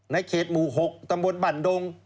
ในเขตหมู่๖ตำบลบั่นดง